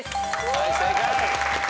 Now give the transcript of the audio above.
はい正解。